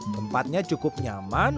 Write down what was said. tempatnya cukup nyaman